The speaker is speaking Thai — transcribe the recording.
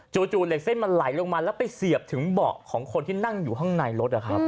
เหล็กเส้นมันไหลลงมาแล้วไปเสียบถึงเบาะของคนที่นั่งอยู่ข้างในรถนะครับ